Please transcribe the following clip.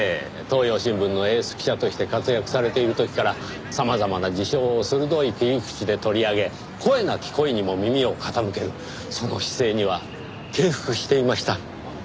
『東洋新聞』のエース記者として活躍されている時から様々な事象を鋭い切り口で取り上げ声なき声にも耳を傾けるその姿勢には敬服していました。